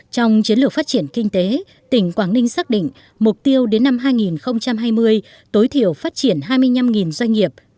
trong chiến lược phát triển kinh tế tỉnh quảng ninh xác định mục tiêu đến năm hai nghìn hai mươi tối thiểu phát triển hai mươi năm doanh nghiệp